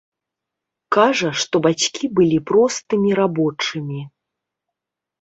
Кажа, што бацькі былі простымі рабочымі.